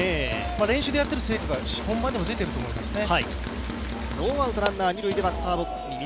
練習でやっている成果が本番でも出ていると思いますね。